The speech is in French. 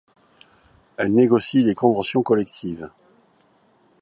Elle négocie les conventions collectives.